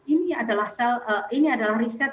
ini adalah sel ini adalah riset